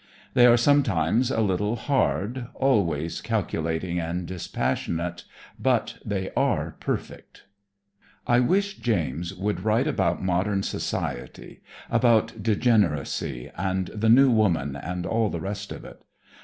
They are sometimes a little hard, always calculating and dispassionate, but they are perfect. I wish James would write about modern society, about "degeneracy" and the new woman and all the rest of it.